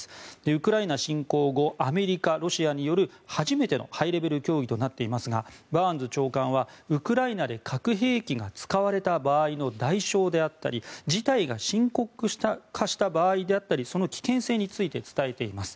ウクライナ侵攻後アメリカ、ロシアによる初めてのハイレベル協議となっていますがバーンズ長官は、ウクライナで核兵器が使われた場合の代償であったり事態が深刻化した場合のその危険性について伝えています。